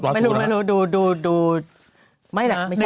ไม่นะไม่ใช่ว่าไปได้